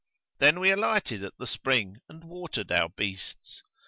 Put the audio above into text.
Then we alighted at the spring and watered our beasts.